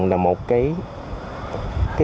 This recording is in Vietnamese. là một cái